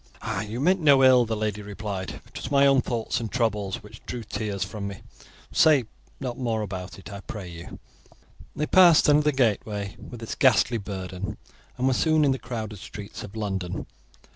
"You meant no ill," the lady replied; "it was my own thoughts and troubles which drew tears from me; say not more about it, I pray you." They passed under the gateway, with its ghastly burden, and were soon in the crowded streets of London.